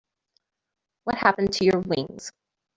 What happened to your wings?